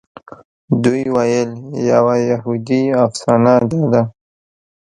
دوی ویل یوه یهودي افسانه داده.